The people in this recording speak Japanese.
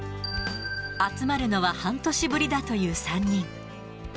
集まるのは半年ぶりだという３人。